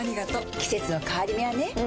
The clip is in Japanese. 季節の変わり目はねうん。